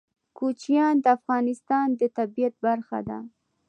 کوچیان د افغانستان د طبیعت برخه ده.